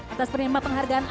atas penerima penghargaan